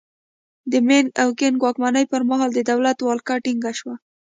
د مینګ او کینګ واکمنۍ پرمهال د دولت ولکه ټینګه شوه.